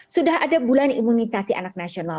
sudah ada bulan imunisasi anak nasional